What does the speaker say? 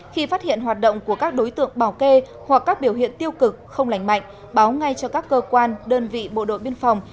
khi phát hiện hoạt động của các đối tượng bảo kê hoặc các biểu hiện tiêu cực không lành mạnh báo ngay cho các cơ quan đơn vị bộ đội biên phòng